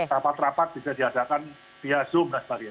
rapat rapat bisa diadakan via zoom dan sebagainya